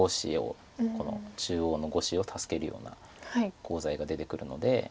この中央の５子を助けるようなコウ材が出てくるので。